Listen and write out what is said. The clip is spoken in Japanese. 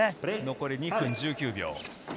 残り２分１９秒。